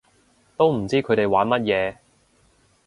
都唔知佢哋玩乜嘢